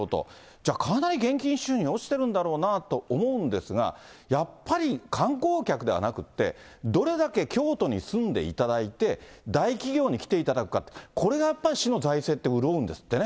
じゃあかなり現金収入が落ちてるんだろうなと思うんですが、やっぱり観光客ではなくって、どれだけ京都に住んでいただいて、大企業に来ていただくか、これがやっぱり市の財政って、潤うんですってね。